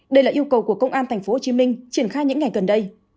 đây là yêu cầu của công an tp hồ chí minh triển khai những ngày gần đây